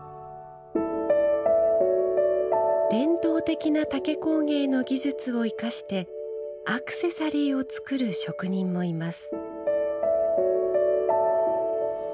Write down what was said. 伝統的な竹工芸の技術を生かしてアクセサリーを作る職人もいます。